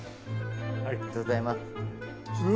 ありがとうございます。